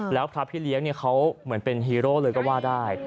แล้วพระพี่เลี้ยงเขาเหมือนเป็นฮีโร่เลยก็ว่าได้